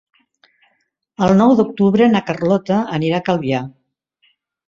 El nou d'octubre na Carlota anirà a Calvià.